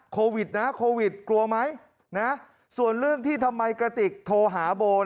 โควิดนะโควิดกลัวไหมนะส่วนเรื่องที่ทำไมกระติกโทรหาโบ